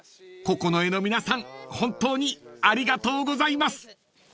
［九重の皆さん本当にありがとうございます］